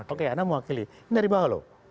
oke anda mewakili ini dari bawah loh